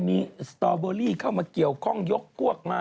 มีสตอเบอรี่เข้ามาเกี่ยวข้องยกพวกมา